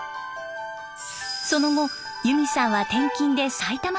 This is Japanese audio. その後ゆみさんは転勤で埼玉県へ。